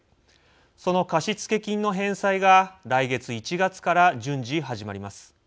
その貸付金の返済が来月１月から順次始まります。